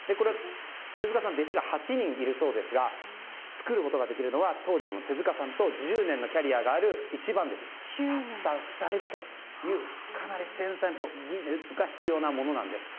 手塚さん弟子が８人いるそうですが作ることができるのは棟梁の手塚さんと１０年のキャリアがある一番弟子のたった２人だけというかなり繊細な技術が必要なものなんです。